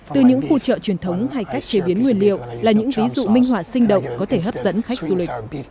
từ những khu chợ truyền thống hay cách chế biến nguyên liệu là những ví dụ minh họa sinh động có thể hấp dẫn khách du lịch